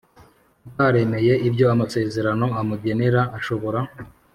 Utaremeye ibyo amasezerano amugenera ashobora